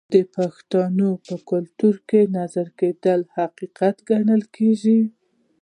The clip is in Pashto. د پښتنو په کلتور کې د نظر کیدل حقیقت ګڼل کیږي.